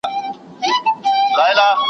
ایا هغه پخپله اوږه ډېري مڼې یوړې؟